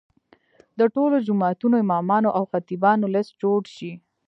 د ټولو جوماتونو امامانو او خطیبانو لست جوړ شي.